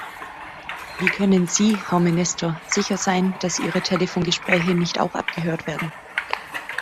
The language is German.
Wie können Sie, Herr Minister, sicher sein, dass ihre Telefongespräche nicht auch abgehört werden?